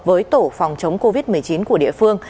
với tổ phòng chống covid một mươi chín của địa phương